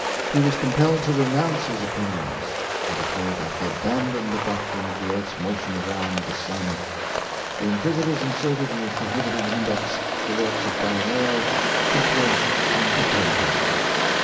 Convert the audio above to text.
He was compelled to renounce his opinions, he declared that he abandoned the doc trine of the earth's motion round the sun. The In quisitors inserted in the prohibited index the works of Galileo, Kepler, and Copernicus.